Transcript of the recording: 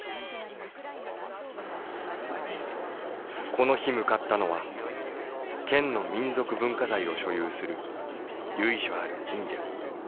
この日向かったのは県の民俗文化財を所有する由緒ある神社。